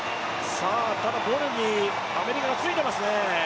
ただボルにアメリカがついていますね。